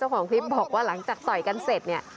เจ้าของพี่ฟุตบอกว่าหลังจากต่อยกันเสร็จเนี่ย